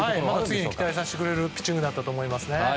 次に期待させてくれるピッチングだったと思います。